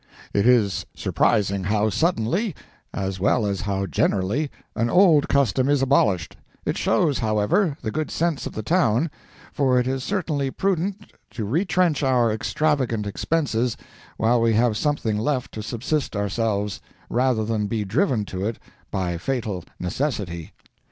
It is surprising how suddenly, as well as how generally, an old custom is abolished; it shows, however, the good sense of the town, for it is certainly prudent to retrench our extravagant expenses, while we have something left to subsist ourselves, rather than be driven to it by fatal necessity.